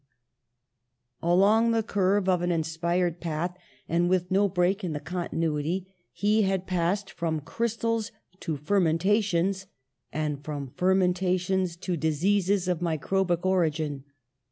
116 PASTEUR Along the curve of an inspired path, and with no break in the continuity, he had passed from crystals to fermentations, and from fermenta tions to diseases of microbic origin.